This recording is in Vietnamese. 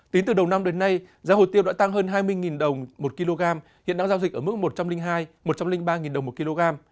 tính từ đầu năm đến nay giá hồ tiêu đã tăng hơn hai mươi đồng một kg hiện đang giao dịch ở mức một trăm linh hai một trăm linh ba đồng một kg